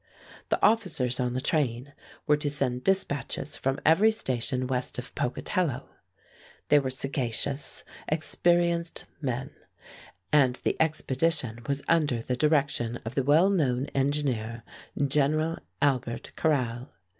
The officers on the train were to send dispatches from every station west of Pocatello. They were sagacious, experienced men, and the expedition was under the direction of the well known engineer, General Albert Carrall.